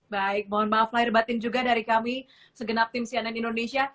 baik mohon maaf lahir batin juga dari kami segenap tim cnn indonesia